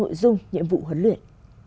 nội dung nhiệm vụ huấn luyện